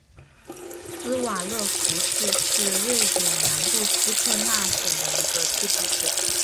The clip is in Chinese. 斯瓦勒夫市是瑞典南部斯科讷省的一个自治市。